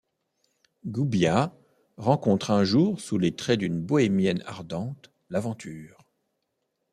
Gubbiah rencontre un jour, sous les traits d'une bohémienne ardente, l'aventure.